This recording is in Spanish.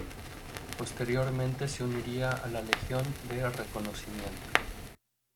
Posteriormente se uniría a la Legión de Reconocimiento.